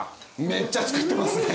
めっちゃ作ってますね！